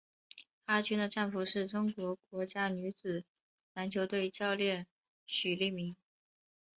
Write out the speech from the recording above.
何军的丈夫是中国国家女子篮球队教练许利民。